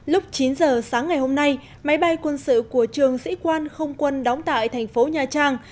lúc chín giờ sáng ngày hôm nay máy bay quân sự của trường sĩ quan không quân đóng tại thành phố nha trang